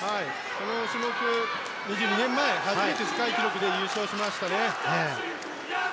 この種目、２２年前初めて世界記録で優勝しましたね。